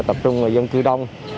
tập trung dân cư đông